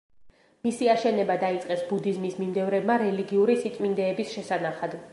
მისი აშენება დაიწყეს ბუდიზმის მიმდევრებმა რელიგიური სიწმინდეების შესანახად.